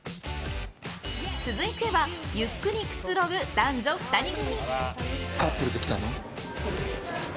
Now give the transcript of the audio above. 続いては、ゆっくりくつろぐ男女２人組。